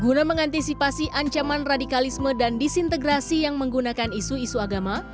guna mengantisipasi ancaman radikalisme dan disintegrasi yang menggunakan isu isu agama